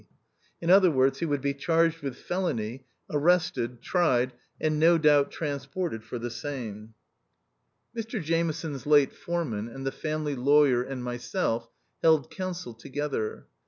In other words, he would be charged with felony, arrested, tried, and no doubt trans ported for the same. M 178 THE OUTCAST. Mr Jameson's late foreman, and the family lawyer, and myself held council together.